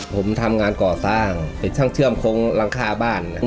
ผมทำงานก่อสร้างเป็นช่างเชื่อมโค้งหลังคาบ้าน